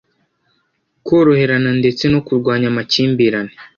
koroherana ndetse no kurwanya amakimbirane